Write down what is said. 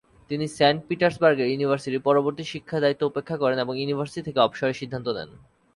তিনি সেন্ট পিটার্সবার্গের ইউনিভার্সিটির পরবর্তী শিক্ষা দায়িত্ব উপেক্ষা করেন এবং ইউনিভার্সিটি থেকে অবসরের সিদ্ধান্ত নেন।